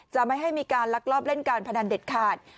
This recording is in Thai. ไม่ให้มีการลักลอบเล่นการพนันเด็ดขาด